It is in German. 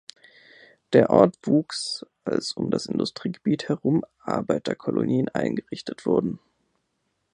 Der Ort wuchs, als um das Industriegebiet herum Arbeiterkolonien eingerichtet wurden.